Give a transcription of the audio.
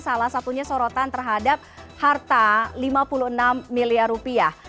salah satunya sorotan terhadap harta lima puluh enam miliar rupiah